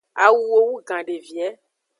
Awuo wugan devie.